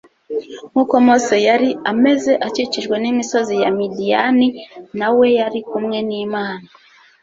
Nkuko Mose yari ameze akikijwe n'imisozi ya Midiyani, na we yari kumwe n'Imana